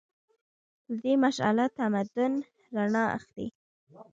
له دې مشعله تمدن رڼا اخلي.